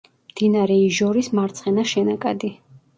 მდინარე იჟორის მარცხენა შენაკადი.